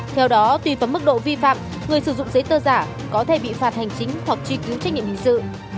theo đó tùy vào mức độ vi phạm người sử dụng giấy tờ giả có thể bị phạt hành chính hoặc truy cứu trách nhiệm hình sự